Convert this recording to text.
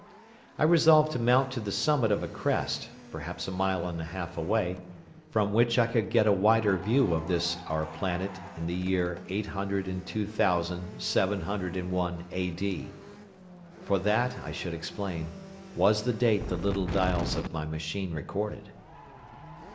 I resolved to mount to the summit of a crest, perhaps a mile and a half away, from which I could get a wider view of this our planet in the year Eight Hundred and Two Thousand Seven Hundred and One, A.D. For that, I should explain, was the date the little dials of my machine recorded.